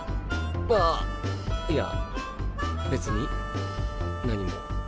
あいや別に何も。